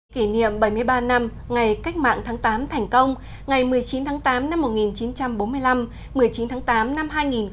kỷ niệm bảy mươi ba năm ngày cách mạng tháng tám thành công ngày một mươi chín tháng tám năm một nghìn chín trăm bốn mươi năm một mươi chín tháng tám năm hai nghìn một mươi chín